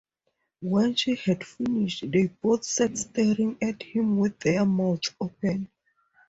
When she had finished, they both sat staring at him with their mouths open.